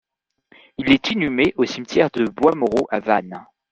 Il est inhumé au cimetière de Boismoreau à Vannes.